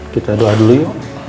kita doa dulu yuk